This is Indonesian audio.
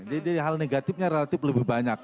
jadi hal negatifnya relatif lebih banyak